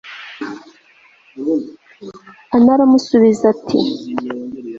ana aramusubiza ati